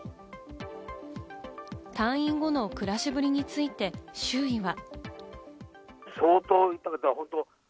退院後の暮らしぶりについて、周囲は。